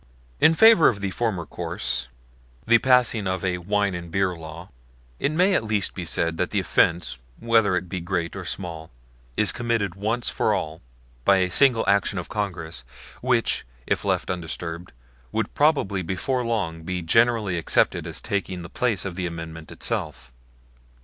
In favor of the former course the passing of a wine and beer law it may at least be said that the offense, whether it be great or small, is committed once for all by a single action of Congress, which, if left undisturbed, would probably before long be generally accepted as taking the place of the Amendment itself.